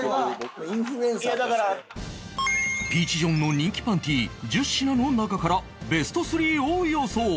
ピーチ・ジョンの人気パンティー１０品の中からベスト３を予想